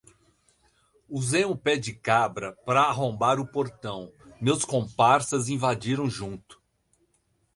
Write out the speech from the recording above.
Usei um pé de cabra pra arrombar o portão, meus comparsas invadiram junto